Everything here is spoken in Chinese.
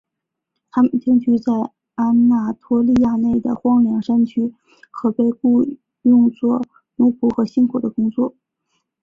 他们定居在安纳托利亚内的荒凉的山区和被雇用作奴仆和辛苦的工作。